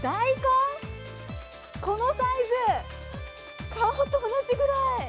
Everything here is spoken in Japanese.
このサイズ、顔と同じくらい。